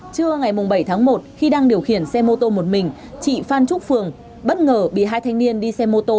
trưa ngày bảy tháng một khi đang điều khiển xe mô tô một mình chị phan trúc phường bất ngờ bị hai thanh niên đi xe mô tô